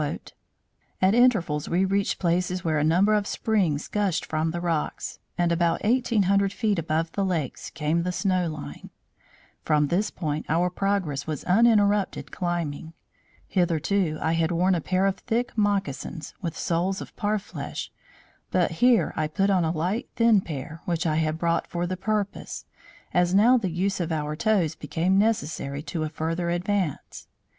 "At intervals we reached places where a number of springs gushed from the rocks, and about 1,800 feet above the lakes came to the snow line. From this point our progress was uninterrupted climbing. Hitherto, I had worn a pair of thick moccasins, with soles of parfleche but here I put on a light thin pair, which I had brought for the purpose, as now the use of our toes became necessary to a further advance.